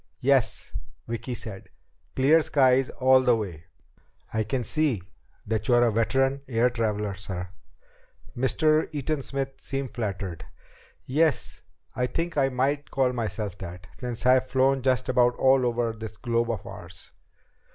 "Yes," Vicki said. "Clear skies all the way. I can see that you're a veteran air traveler, sir." Mr. Eaton Smith seem flattered. "Yes, I think I might call myself that since I've flown just about all over this globe of ours."